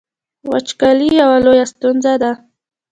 وچکالي یوه لویه ستونزه ده